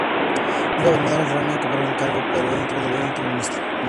Nueve gobernadores Rana ocuparon el cargo hereditario de Primer Ministro.